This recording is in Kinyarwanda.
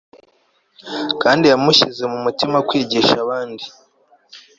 kandi yamushyize mu mutima kwigisha abandi